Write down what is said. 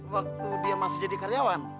waktu dia masih jadi karyawan